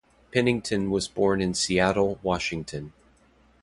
Pennington was born in Seattle, Washington.